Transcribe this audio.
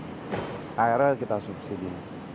di arl kita subsidi